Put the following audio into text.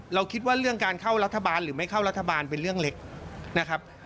คิดว่าเรื่องการเข้ารัฐบาลหรือไม่เข้ารัฐบาลเป็นเรื่องเล็กนะครับ